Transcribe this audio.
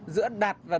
giữa đạt và đối tượng